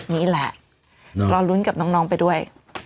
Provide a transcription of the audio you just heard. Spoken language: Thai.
นี่แหละรอลุ้นกับน้องไปด้วย